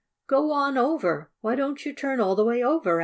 "Go on over! Why don't you turn all the way over?"